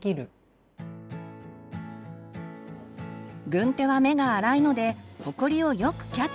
軍手は目が粗いのでほこりをよくキャッチします。